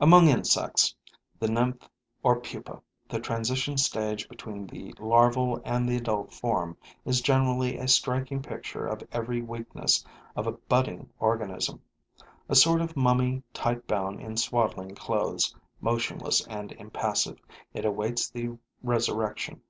Among insects, the nymph, or pupa, the transition stage between the larval and the adult form, is generally a striking picture of every weakness of a budding organism. A sort of mummy tight bound in swaddling clothes, motionless and impassive, it awaits the resurrection.